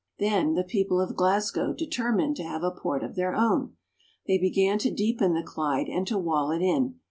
Then the people of Glasgow deter mined to have a port of their own. They began to deepen the Clyde and to wall it in.